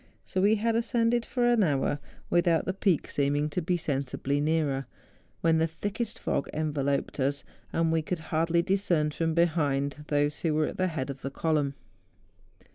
So we had ascended for an hour without the peak seeming to be sensibly nearer, when the thickest fog enveloped us; and we could hardly discern from behind those who were at the head of the column.